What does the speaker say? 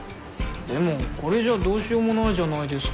でもこれじゃどうしようもないじゃないですか。